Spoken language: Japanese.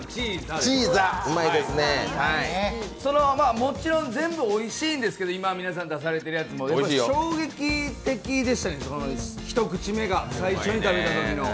もちろん全部おいしいんですけど、皆さんが今いわれていたやつも衝撃的でしたね、一口目が、最初に食べたときの。